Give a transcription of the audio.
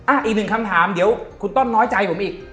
อีกหนึ่งคำถามเดี๋ยวคุณต้นน้อยใจผมอีก